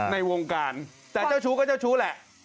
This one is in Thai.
ในวงการแต่เจ้าชู้ก็เจ้าชู้แหละ